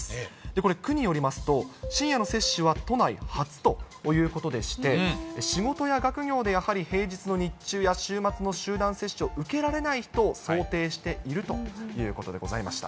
これ、区によりますと、深夜の接種は都内初ということでして、仕事や学業でやはり、平日の日中や週末の集団接種を受けられない人を想定しているということでございました。